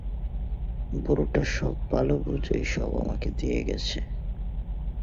বুড়োটা সব ভালো বুঝেই সব আমাকে দিয়ে গেছে।